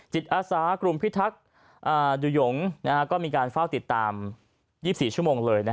อาสากลุ่มพิทักษ์ดูหยงก็มีการเฝ้าติดตาม๒๔ชั่วโมงเลย